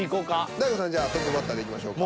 大悟さんじゃあトップバッターでいきましょうか。